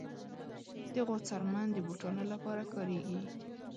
د غوا څرمن د بوټانو لپاره کارېږي.